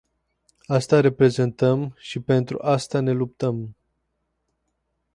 Asta reprezentăm și pentru asta ne luptăm.